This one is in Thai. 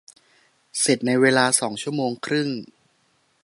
เสร็จในเวลาสองชั่วโมงครึ่ง